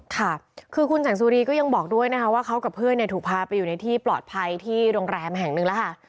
ค่ะคือคุณแสงสุรีก็ยังบอกด้วยนะคะว่าเขากับเพื่อนถูกพาไปอยู่ในที่ปลอดภัยที่โรงแรมแห่งหนึ่งแล้วค่ะ